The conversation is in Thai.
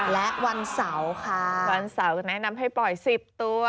และวันเสาร์ค่ะวันเสาร์จะแนะนำให้ปล่อย๑๐ตัว